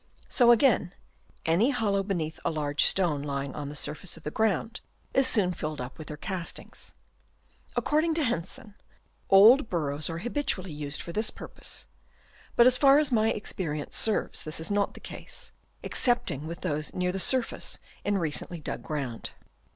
So again any hollow beneath a large stone lying on the surface of the ground, is soon filled up with their castings. According to Hensen, old burrows are habitu ally used for this purpose ; but as far as my experience serves, this is not the case, except ing with those near the surface in recently dug ground.